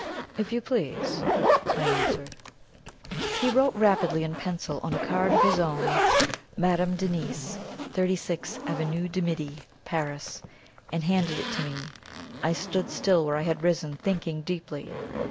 "If you please," I answered. He wrote rapidly in pencil on a card of his own: "MADAME DENISE, "36, Avenue du Midi, "Paris," and handed it to me. I stood still where I had risen, thinking deeply.